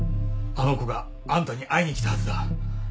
あの子があんたに会いに来たはずだ。